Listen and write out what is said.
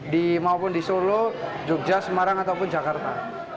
di maupun di solo jogja semarang ataupun jakarta